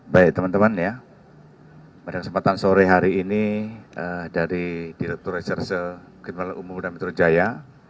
baik teman teman ya pada kesempatan sore hari ini dari direktur reserse kriminal umum polda metro jaya